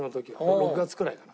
６月くらいかな？